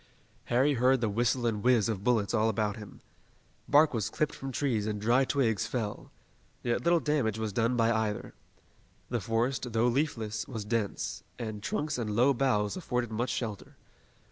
Harry heard the whistle and whizz of bullets all about them. Bark was clipped from trees and dry twigs fell. Yet little damage was done by either. The forest, although leafless, was dense, and trunks and low boughs afforded much shelter.